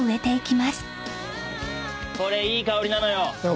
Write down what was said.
これいい香りなのよ。